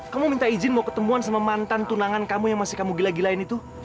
kamu minta izin mau ketemuan sama mantan tunangan kamu yang masih kamu gila gilain itu